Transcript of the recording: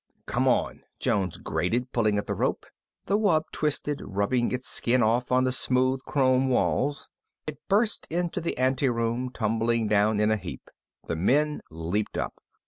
"Come on," Jones grated, pulling at the rope. The wub twisted, rubbing its skin off on the smooth chrome walls. It burst into the ante room, tumbling down in a heap. The men leaped up.